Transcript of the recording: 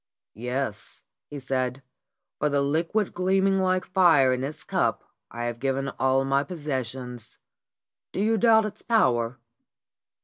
"Yes," he said. "For the liquid gleaming like fire in its cup I have given all my possessions. Do you doubt its power?"